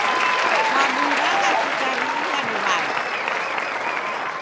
Kwadungagha sukari ighane w'ada?